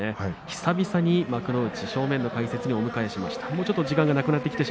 久々に幕内正面の解説にお迎えしました。